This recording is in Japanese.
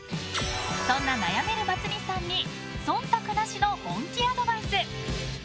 そんな悩めるバツ２さんに忖度なしの本気アドバイス！